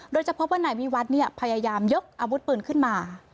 โดยจะพบว่านายวิวัฒน์พยายามยกอาวุธปืนขึ้นมา